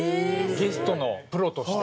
ゲストのプロとして。